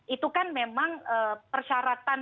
itu kan memang persyaratan